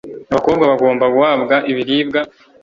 abakobwa bagomba guhabwa ibiribwa